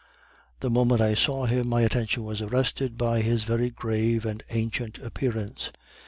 The moment I saw him my attention was arrested by his very grave and ancient appearance.